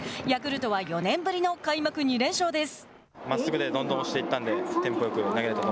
ヤクルトは４年ぶりの開幕２連勝です。